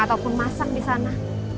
ataupun masang disana